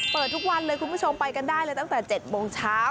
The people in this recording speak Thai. เปิดทุกวันเลยคุณผู้ชมไปกันได้เลยตั้งแต่๗โมงเช้า